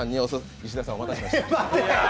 石田さん、お待たせしました。